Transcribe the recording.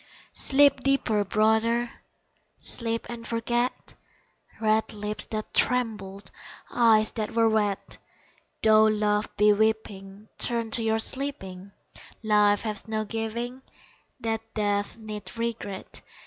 Sleep deeper, brother! Sleep and forget Red lips that trembled Eyes that were wet Though love be weeping, Turn to your sleeping, Life has no giving That death need regret.